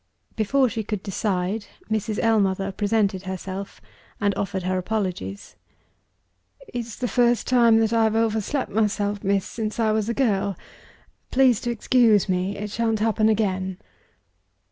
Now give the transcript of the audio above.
Before she could decide, Mrs. Ellmother presented herself, and offered her apologies. "It's the first time I have overslept myself, miss, since I was a girl. Please to excuse me, it shan't happen again."